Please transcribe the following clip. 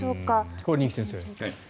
これは二木先生。